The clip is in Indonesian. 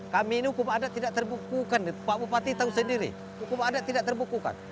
kami ini hukum adat tidak terbukukan pak bupati tahu sendiri hukum adat tidak terbukukan